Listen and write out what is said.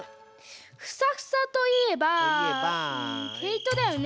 フサフサといえばけいとだよね。